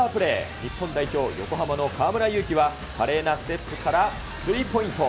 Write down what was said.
日本代表、横浜の河村勇輝は華麗なステップからスリーポイント。